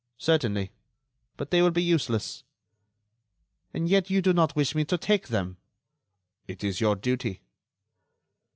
"Certainly; but they will be useless." "And yet you do not wish me to take them." "It is your duty."